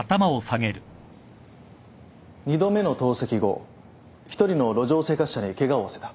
２度目の投石後１人の路上生活者にケガを負わせた。